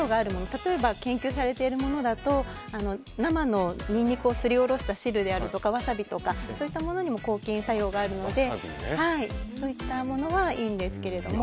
例えば研究されているものだと生のニンニクをすりおろした汁であるとかワサビとかそういったものにも抗菌作用があるのでそういったものはいいんですけれども。